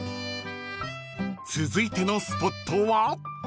［続いてのスポットは？］